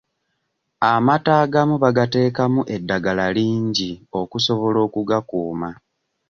Amata agamu bagateekamu eddagala lingi okusobola okugakuuma.